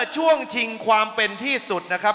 ช่วงชิงความเป็นที่สุดนะครับ